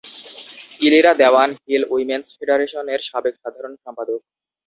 Ilira Dewan hill women's ফেডারেশনের সাবেক সাধারণ সম্পাদক।